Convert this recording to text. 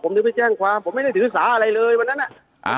ผมถึงไปแจ้งความผมไม่ได้ถือสาอะไรเลยวันนั้นอ่ะอ่า